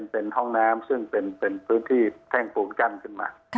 เป็นห้องน้ำซึ่งเป็นพื้นที่แท่งปูนกั้นขึ้นมา